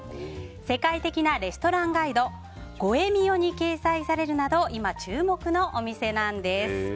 世界的なレストランガイド「ゴ・エ・ミヨ」に掲載されるなど今、注目のお店なんです。